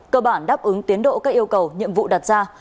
cơ bản đáp ứng tiến độ các yêu cầu nhiệm vụ đặt ra